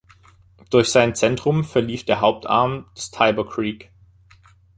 Durch sein Zentrum verlief der Hauptarm des Tiber Creek.